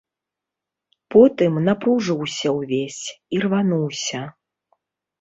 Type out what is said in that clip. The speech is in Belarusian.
Потым напружыўся ўвесь, ірвануўся.